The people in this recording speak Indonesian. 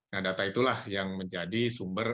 nah data itulah yang menjadi sumber